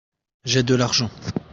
J'ai de l'argent.